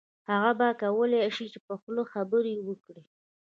هغه به وکولای شي چې په خوله خبرې وکړي